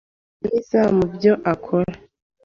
Ni mwiza mubyo akora.